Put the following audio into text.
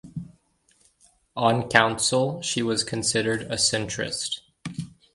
On council, she was considered a centrist.